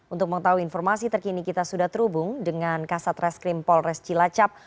untuk mengetahui informasi terkini kita sudah terhubung dengan kasat reskrim polres cilacap